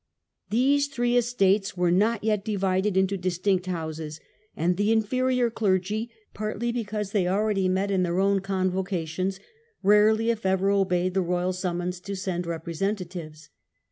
These three estates were not yet divided into distinct houses, and the inferior clergy, partly because they already met in their own convocation, rarely if ever obeyed the royal summons to send representatives.